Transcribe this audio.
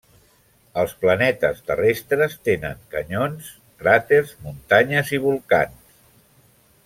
Els planetes terrestres tenen canyons, cràters, muntanyes i volcans.